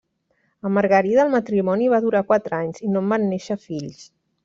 Amb Margarida el matrimoni va durar quatre anys i no en van néixer fills.